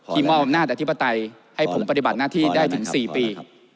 มอบอำนาจอธิปไตยให้ผมปฏิบัติหน้าที่ได้ถึง๔ปี